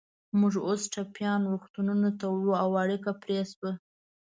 موږ اوس ټپیان روغتونونو ته وړو، او اړیکه پرې شوه.